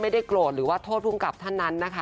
ไม่ได้โกรธหรือทั่วพรุงกับท่านนั้นนะคะ